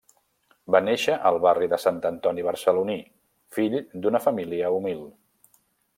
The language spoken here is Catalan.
Va néixer al barri de Sant Antoni barceloní, fill d'una família humil.